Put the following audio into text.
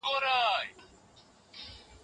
تا د ښځو لپاره کومه ورځ وټاکله؟